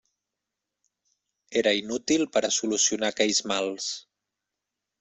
Era inútil per a solucionar aquells mals.